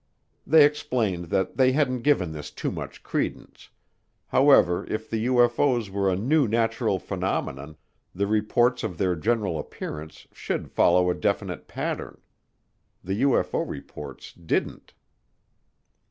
They explained that they hadn't given this too much credence; however, if the UFO's were a new natural phenomenon, the reports of their general appearance should follow a definite pattern the UFO reports didn't.